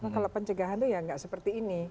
kalau pencegahan itu tidak seperti ini